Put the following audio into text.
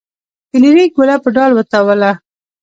فلیریک ګوله په ډال وتاوله.